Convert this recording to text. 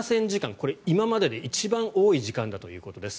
これ、今までで一番多い時間だということです。